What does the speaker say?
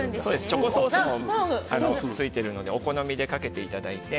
チョコソースもついてるのでお好みでかけていただいて。